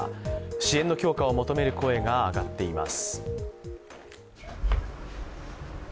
支援の強化を求める声が上がっています。